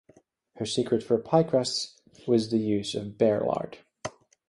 Her secret for pie crusts was the use of bear lard.